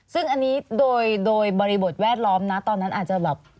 ซึ่งอันนี้โดยบริบทแวดล้อมนะตอนนั้นอาจจะแบบ